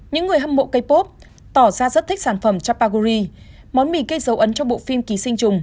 những người hâm mộ k pop tỏ ra rất thích sản phẩm chapaguri món mì cây dấu ấn trong bộ phim ký sinh chùng